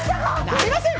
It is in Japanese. なりません！